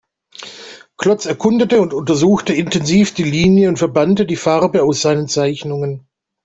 Klotz erkundete und untersuchte intensiv die Linie und verbannte die Farbe aus seinen Zeichnungen.